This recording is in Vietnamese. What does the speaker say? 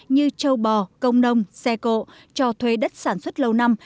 như châu bò công nông xe cộ cho thuê đất sản xuất lâu năm